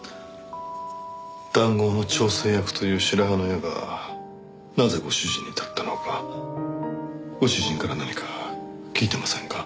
談合の調整役という白羽の矢がなぜご主人に立ったのかご主人から何か聞いてませんか？